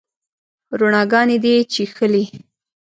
روڼاګاني دي چیښلې